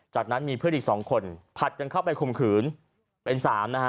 จากนั้นมีเพื่อนอีก๒คนผัดกันเข้าไปข่มขืนเป็น๓นะฮะ